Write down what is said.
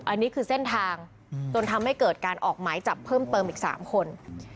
อันนี้คือเส้นทางจนทำให้เกิดการออกหมายจับเพิ่มเติมอีก๓คน